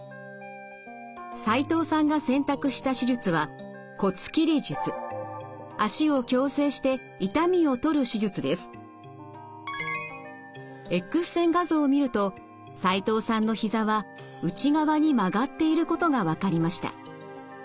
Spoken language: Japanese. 齋藤さんが選択した手術はＸ線画像を見ると齋藤さんのひざは内側に曲がっていることが分かりました。